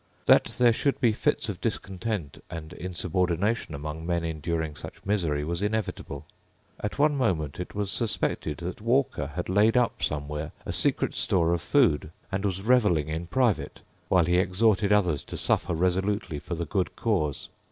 That there should be fits of discontent and insubordination among men enduring such misery was inevitable. At one moment it was suspected that Walker had laid up somewhere a secret store of food, and was revelling in private, while he exhorted others to suffer resolutely for the good cause.